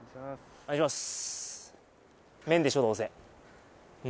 お願いします